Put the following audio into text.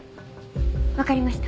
分かりました。